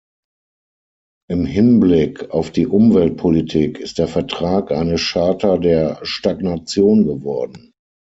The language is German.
Im Hinblick auf die Umweltpolitik ist der Vertrag eine Charta der Stagnation geworden.